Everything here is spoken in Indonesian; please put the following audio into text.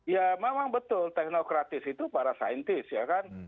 ya memang betul teknokratis itu para saintis ya kan